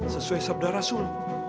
sesuai sabda rasul